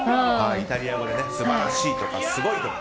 イタリア語で素晴らしいとか、すごいとか。